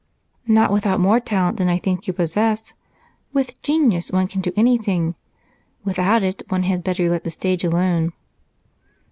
"Not without more talent than I think you possess. With genius one can do anything without it one had better let the stage alone."